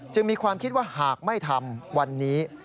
มีความคิดว่าหากไม่ทำวันนี้